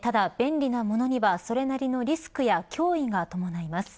ただ便利なものにはそれなりのリスクや脅威が伴います。